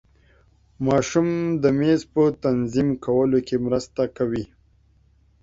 ماشوم د میز په تنظیم کولو کې مرسته کوي.